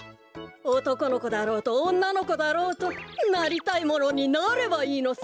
おとこのこだろうとおんなのこだろうとなりたいものになればいいのさ。